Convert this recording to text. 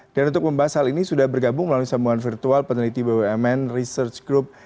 dan untuk membahas hal ini sudah bergabung melalui sambungan virtual peneliti bumn research group